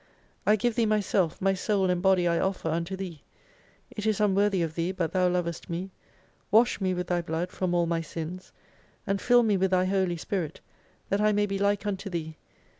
I give Thee myself, my Soul and Body I offer unto Thee. It is unworthy of Thee, but Thou lovest me. "Wash me with Thy blood from all my Sins : And fill me with Thy Holy Spirit that I may be like unto Thee.